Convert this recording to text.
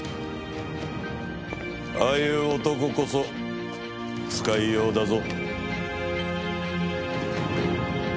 ああいう男こそ使いようだぞ。